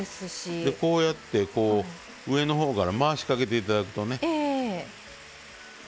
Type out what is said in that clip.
こうやって上のほうから回しかけていただくと。